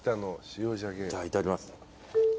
じゃあいただきます。